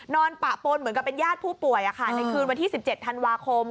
ปะปนเหมือนกับเป็นญาติผู้ป่วยในคืนวันที่๑๗ธันวาคม